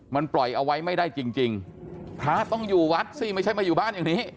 มันปล่อยเอาไว้ไม่ได้จริงจริงพระต้องอยู่วัดสิไม่ใช่มาอยู่บ้านอย่างนี้